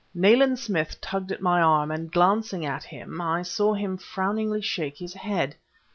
Nayland Smith tugged at my arm, and, glancing at him, I saw him frowningly shake his head.